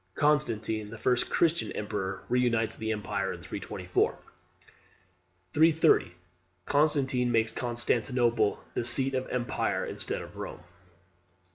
Constantine, the first Christian emperor, reunites the empire in 324. 330. Constantine makes Constantinople the seat of empire instead of Rome.